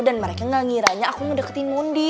dan mereka gak ngiranya aku ngedeketin mundi